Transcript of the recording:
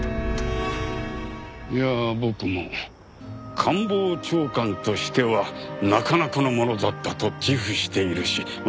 いや僕も官房長官としてはなかなかのものだったと自負しているしま